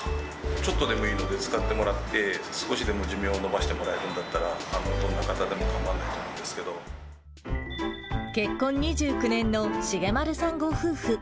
ちょっとでもいいので、使ってもらって、少しでも寿命延ばしてもらえるんだったら、どんな方でもかまわな結婚２９年の重丸さんご夫婦。